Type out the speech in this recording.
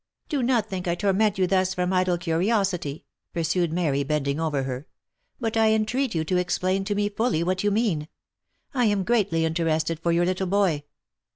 "Do not think I torment you thus from idle curiosity," pursued Mary, bending over her; "but I entreat you to explain to me fully what you mean. I am greatly interested for your little boy."